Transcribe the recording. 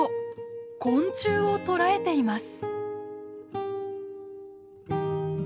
昆虫を捕らえています。